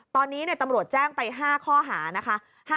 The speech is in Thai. ตอนนี้ตำรวจแจ้งไป๕ข้อหานะคะ